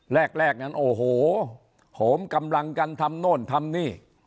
แรกนั้นโอ้โหโหมกำลังกันทำโน่นทำนี่